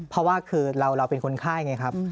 เพราะว่าคือเราเป็นคนไข้ไงครับ